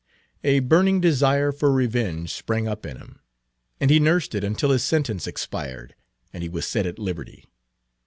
A burning desire for revenge sprang up in him, and he nursed it until his sentence expired and he was set at liberty.